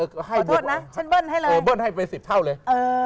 ก็ให้ขอโทษนะฉันเบิ้ลให้เลยเออเบิ้ลให้ไปสิบเท่าเลย